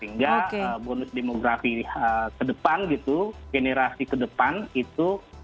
sehingga bonus demografi ke depan gitu generasi ke depan itu